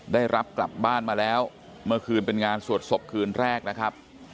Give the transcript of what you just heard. ได้รับกลับบ้านมาแล้วเมื่อคืนเป็นงานสวดศพคืนแรกนะครับ